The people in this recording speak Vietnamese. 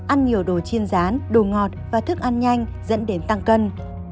ăn nhiều đồ chiên rán đồ ngọt và thức ăn nhanh dẫn đến tăng cân